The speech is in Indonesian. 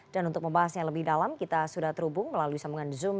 dan untuk membahasnya lebih dalam kita sudah terhubung melalui sambungan zoom